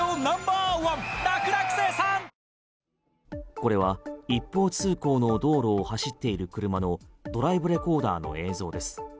これは一方通行の道路を走っている車のドライブレコーダーの映像です。